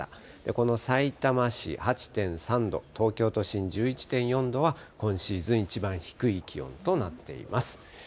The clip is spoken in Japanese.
このさいたま市８．３度、東京都心１１．４度は、今シーズン一番低い気温となっています。